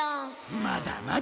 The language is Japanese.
まだまだ！